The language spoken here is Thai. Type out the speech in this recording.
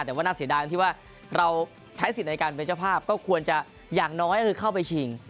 แต่ว่าน่าเสียดายที่ว่าเราใช้สิทธิ์ในการเปยกพลภยังน้อยก็คือเข้าไปชิง